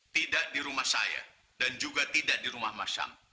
tidak di rumah saya dan juga tidak di rumah masyam